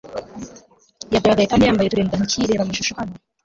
yagaragaye kandi yambaye uturindantoki Reba amashusho hano